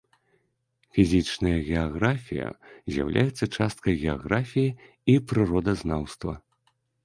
Фізічная геаграфія з'яўляецца часткай геаграфіі і прыродазнаўства.